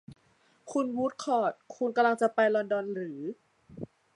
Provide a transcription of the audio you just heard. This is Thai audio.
คุณวูดคอร์ต คุณกำลังจะไปลอนดอนหรือ ?